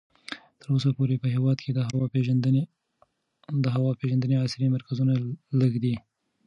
تر اوسه پورې په هېواد کې د هوا پېژندنې عصري مرکزونه لږ دي.